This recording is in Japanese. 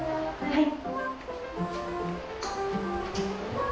はい。